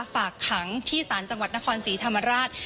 ฝากขังที่ศาลจังหวัดนครศรีธรรมราช